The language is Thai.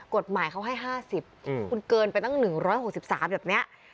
กฎหมายเขาให้๕๐มิลลิกรัมอุ้นเกินไปตั้ง๑๖๓มิลลิกรัมแบบเนี่ย